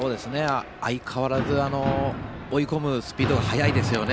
相変わらず追い込むスピードが速いですよね。